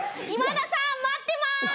今田さん待ってます！